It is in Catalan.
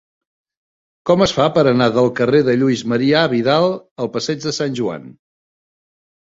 Com es fa per anar del carrer de Lluís Marià Vidal al passeig de Sant Joan?